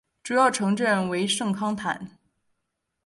主要城镇为圣康坦。